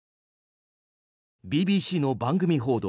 ＢＢＣの番組報道